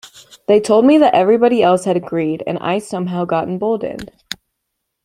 They told me that everybody else had agreed and I somehow got emboldened.